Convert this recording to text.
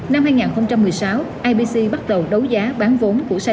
năm hai nghìn một mươi sáu ipc bắt đầu đấu giá